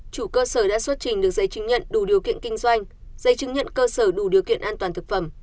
chủ cơ sở đã xuất trình được giấy chứng nhận đủ điều kiện kinh doanh giấy chứng nhận cơ sở đủ điều kiện an toàn thực phẩm